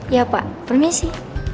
ya pak permisi